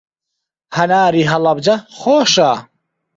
هەناری هەڵەبجە خۆشە.